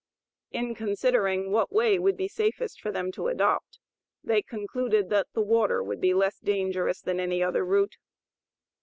In considering what way would be safest for them to adopt, they concluded that the water would be less dangerous than any other route.